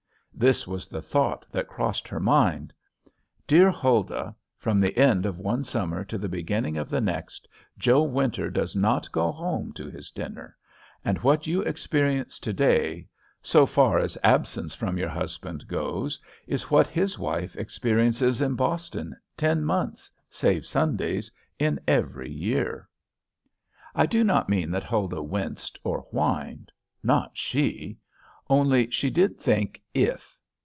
This was the thought that crossed her mind. Dear Huldah, from the end of one summer to the beginning of the next, Joe Winter does not go home to his dinner; and what you experience to day, so far as absence from your husband goes, is what his wife experiences in Boston ten months, save Sundays, in every year. I do not mean that Huldah winced or whined. Not she. Only she did think "if."